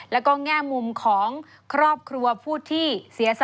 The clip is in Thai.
แล้วก็แง่มุมของครอบครัวผู้ที่เสียสละ